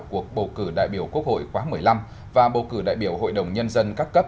cuộc bầu cử đại biểu quốc hội khóa một mươi năm và bầu cử đại biểu hội đồng nhân dân các cấp